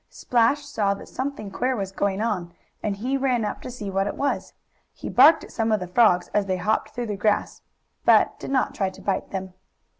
Splash saw that something queer was going on, and he ran up to see what it was. He barked at some of the frogs, as they hopped through the grass, but did not try to bite them.